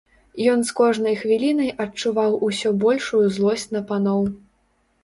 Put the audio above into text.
Ён з кожнай хвілінай адчуваў усё большую злосць на паноў.